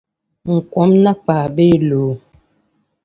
N kom’ nakpaa bee loo?